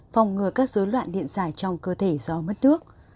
phòng ngừa các dối loạn điện dài trong cơ thể do mất nước